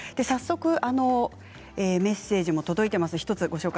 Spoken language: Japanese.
早速メッセージも届いています。